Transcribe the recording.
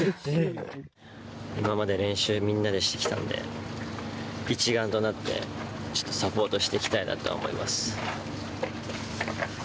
今まで練習、みんなでしてきたんで、一丸となって、サポートしていきたいなとは思います。